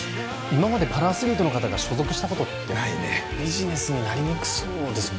今までパラアスリートの方が所属したことってないねビジネスになりにくそうです